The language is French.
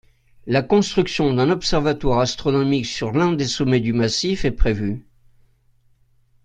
La construction d'un observatoire astronomique sur l'un des sommets du massif est prévue.